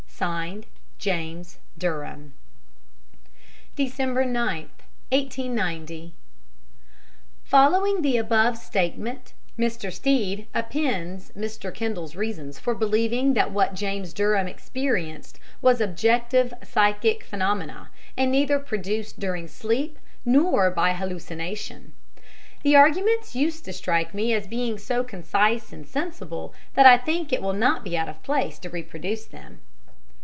"(Signed) JAMES DURHAM. "Dec. 9th, 1890." Following the above statement Mr. Stead appends Mr. Kendall's reasons for believing that what James Durham experienced was objective psychic phenomena, and neither produced during sleep nor by hallucination. The arguments used strike me as being so concise and sensible that I think it will not be out of place to reproduce them.